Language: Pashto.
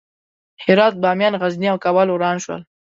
هرات، بامیان، غزني او کابل وران شول.